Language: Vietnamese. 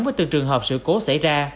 với từng trường hợp sự cố xảy ra